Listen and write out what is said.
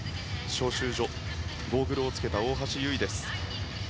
招集所でゴーグルをつけた大橋悠依です。